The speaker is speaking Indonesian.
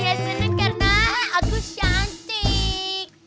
ya seneng karena aku cantik